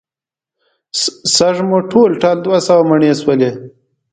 سږ مو ټول ټال دوه سوه منه مڼې شولې.